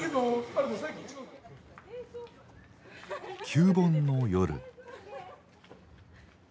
旧盆の夜。